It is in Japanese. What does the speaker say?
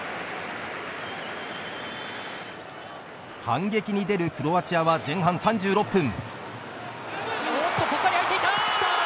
反撃に出るクロアチアは前半３６分。